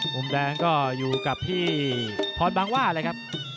มุมแดงก็อยู่กับพี่พรบางว่าเลยครับ